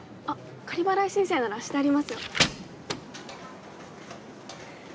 仮払い申請ならしてありますよ。